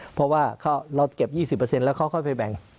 เพราะว่ารถเก็บ๒๐แล้วเขาค่อยไปแบ่ง